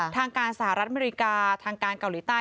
ทางการสหรัฐอเมริกาทางการเกาหลีใต้